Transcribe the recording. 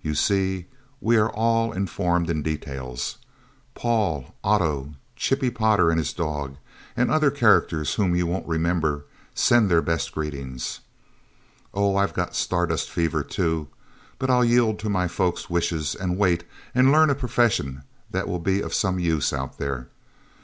You see, we are all informed in details. Paul, Otto, Chippie Potter and his dog, and other characters whom you won't remember, send their best greetings. Oh, I've got Stardust fever, too, but I'll yield to my folks' wishes and wait, and learn a profession that will be of some use Out There.